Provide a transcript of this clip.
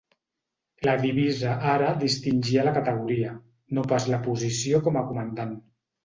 La divisa ara distingia la categoria, no pas la posició com a comandant.